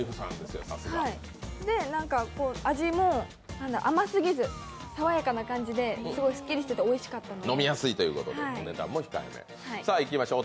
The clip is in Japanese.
で、味も甘すぎず爽やかな感じですごいすっきりしていておいしかったんです。